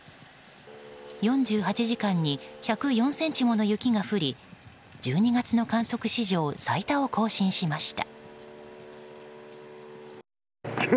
４８時間に１０４ｃｍものの雪が降り１２月の観測史上最多を更新しました。